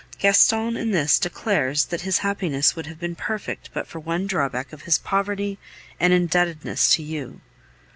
Gaston in this declares that his happiness would have been perfect but for the one drawback of his poverty and indebtedness to you.